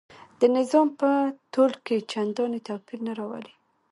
د نظم په تول کې چنداني توپیر نه راولي.